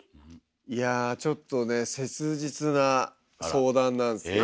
いやちょっとね切実な相談なんすけど。